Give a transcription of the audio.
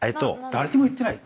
「誰にも言ってない」？